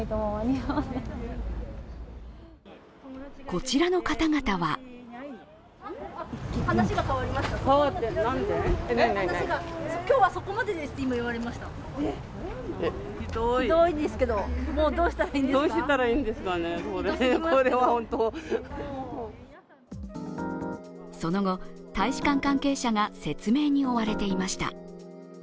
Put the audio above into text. こちらの方々はその後、大使館関係者が説明に追われていました。